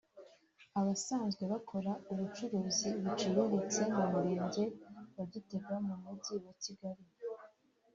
Abasanzwe bakora ubucuruzi buciriritse mu Murenge wa Gitega mu Mujyi wa Kigali